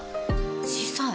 小さい。